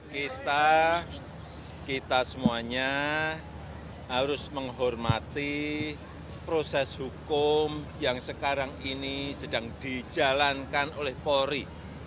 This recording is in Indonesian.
kita kita semuanya harus menghormati proses hukum yang sekarang ini sedang dijalankan oleh polri